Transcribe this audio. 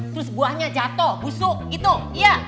terus buahnya jatuh busuk gitu ya